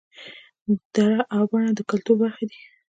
دړه او بنه د کولتور برخې دي